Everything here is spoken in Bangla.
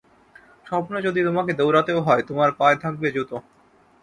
স্বপ্নে যদি তোমাকে দৌড়াতেও হয়-তোমার পায়ে থাকবে জুতো!